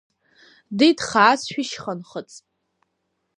Дид, хаас, шәышьханхыҵ!